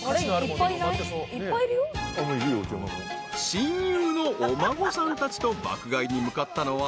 ［親友のお孫さんたちと爆買いに向かったのは］